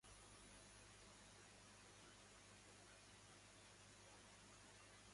کارخانهٔ چیت سازی